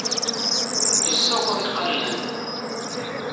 Yessawaḍ iqannan.